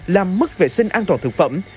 làm mất vệ sinh an toàn thực phẩm